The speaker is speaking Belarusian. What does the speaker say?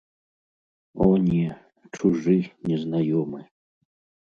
О не, чужы, незнаёмы.